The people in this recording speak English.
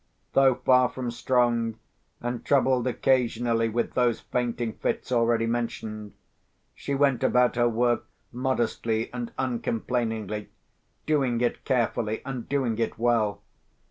Though far from strong, and troubled occasionally with those fainting fits already mentioned, she went about her work modestly and uncomplainingly, doing it carefully, and doing it well.